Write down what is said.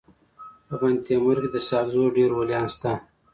په بندتیمور کي د ساکزو ډير ولیان سته.